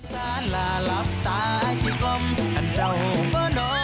เวลาออกอาการง่วงนะ